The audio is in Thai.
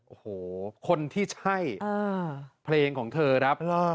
โอ้โหคนที่ใช่เพลงของเธอครับ